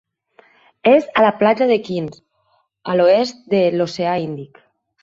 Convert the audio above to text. És de la platja de Quinns i a l'oest de l'oceà Índic.